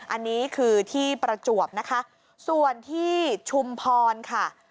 อันนี้คือที่ประจวบนะคะส่วนที่ชุมพรค่ะ